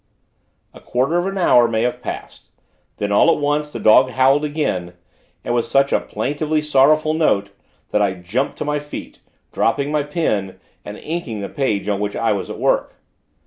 A quarter of an hour may have passed; then, all at once, the dog howled again, and with such a plaintively sorrowful note, that I jumped to my feet, dropping my pen, and inking the page on which I was at work.